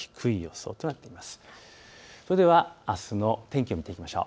それでは、あすの天気を見ていきましょう。